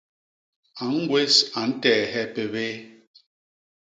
A ñgwés a nteehe pébéé.